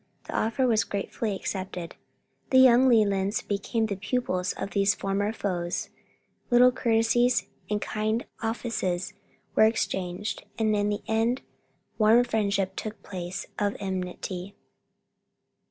The offer was gratefully accepted, the young Lelands became the pupils of these former foes, little courtesies and kind offices were exchanged, and in the end warm friendship took the place of enmity.